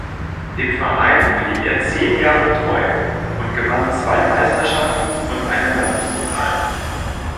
Dem Verein blieb er zehn Jahre treu und gewann zwei Meisterschaften und einen Landespokal.